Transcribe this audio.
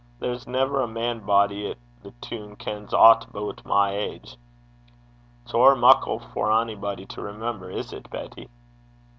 There's never a man body i' the toon kens aught aboot my age.' 'It's ower muckle for onybody to min' upo' (remember), is 't, Betty?'